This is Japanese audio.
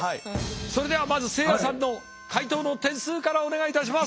それではまずせいやさんの解答の点数からお願いいたします！